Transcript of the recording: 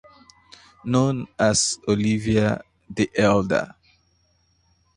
Known as Olivier the Elder.